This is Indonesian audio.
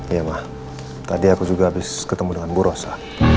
iya mah tadi aku juga habis ketemu dengan bu rosa